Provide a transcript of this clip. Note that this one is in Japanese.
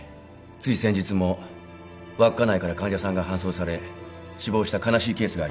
つい先日も稚内から患者さんが搬送され死亡した悲しいケースが。